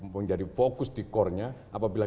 menjadi fokus di core nya apabila